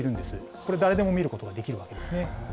これ、誰でも見ることができるんですね。